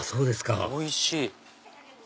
あおいしい！